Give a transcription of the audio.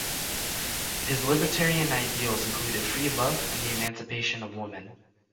His libertarian ideals included free love and the emancipation of women.